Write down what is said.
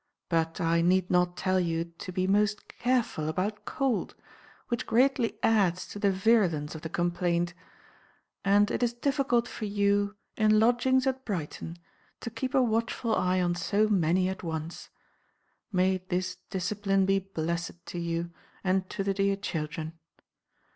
But I need not tell you to be most careful about cold, which greatly adds to the virulence of the complaint, and it is difficult for you, in lodgings at Brighton, to keep a watchful eye on so many at once. May this discipline be blessed to you, and to the dear children!